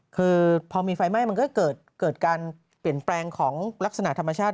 คือพอมีไฟไหม้มันก็เกิดการเปลี่ยนแปลงของลักษณะธรรมชาติ